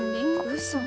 うそ。